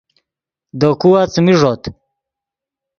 دے کھوا څیمی ݱوت